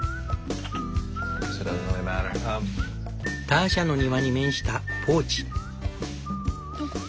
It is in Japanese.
ターシャの庭に面した「ポーチ」。